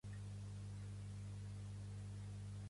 Burki és cosí del jugador de criquet Javed Burki.